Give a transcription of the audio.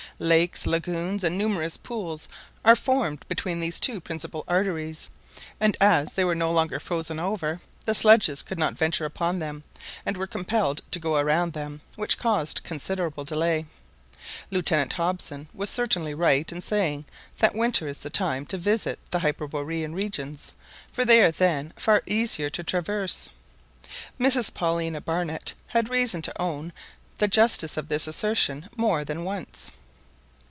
Lakes, lagoons, and numerous pools are formed between these two principal arteries; and as they were no longer frozen over, the sledges could not venture upon them, and were compelled to go around them, which caused considerable delay. Lieutenant Hobson was certainly right in saying that winter is the time to visit the hyperborean regions, for they are then far easier to traverse. Mrs Paulina Barnett had reason to own the justice of this assertion than once.